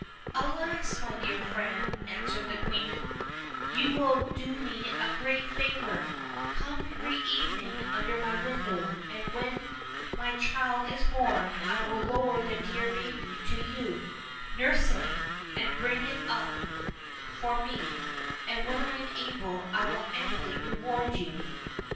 "Alas! my dear friend," answered the queen, "you will do me a great favor: come every evening under my window, and when my child is born I will lower the dear baby to you; nurse it, and bring it up for me, and when I am able I will amply reward you."